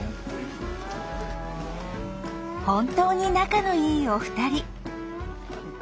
本当に仲のいいお二人。